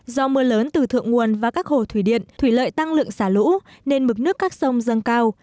do mưa lớn từ thượng nguồn và các hồ thủy điện thủy lợi tăng lượng xả lũ nên mực nước các sông dâng cao